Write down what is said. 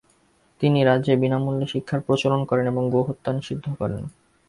তিনি রাজ্যে বিনামূল্যে শিক্ষার প্রচলন করেন এবং গোহত্যা নিষিদ্ধ করেন।